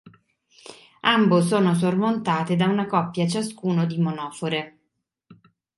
Ambo sono sormontate da una coppia ciascuno di monofore.